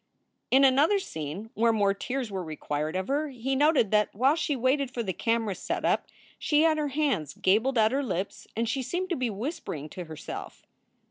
In another scene, where more tears were required of her, he noted that while she waited for the camera set up she had her hands gabled at her lips and she seemed to be whispering to herself.